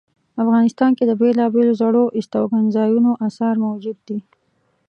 افغانستان کې د بیلابیلو زړو استوګنځایونو آثار موجود دي